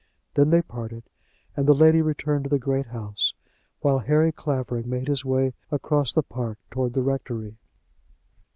Then they parted, and the lady returned to the great house, while Harry Clavering made his way across the park towards the rectory.